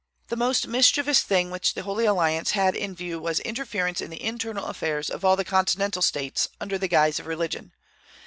The most mischievous thing which the Holy Alliance had in view was interference in the internal affairs of all the Continental States, under the guise of religion.